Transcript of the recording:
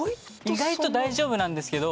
意外と大丈夫なんですけど。